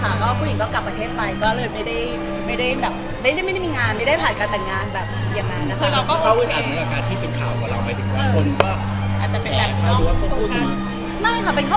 ก็ผู้หญิงก็กลับประเทศไปก็เลยไม่ได้แบบไม่ได้มีงานไม่ได้ผ่านการแต่งงานแบบอย่างนั้นนะคะ